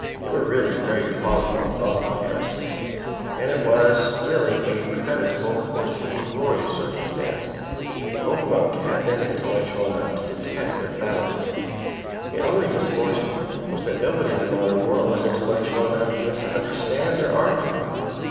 They were really very plausible and thoughtful heresies, and it was really a creditable or even glorious circumstance, that the old monk had been intellectual enough to detect their fallacy; the only misfortune was that nobody in the modern world was intellectual enough even to understand their argument.